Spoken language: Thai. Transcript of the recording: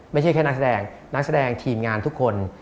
ไม่ใช่แค่นักแสดงนักแสดงทีมงานทุกคน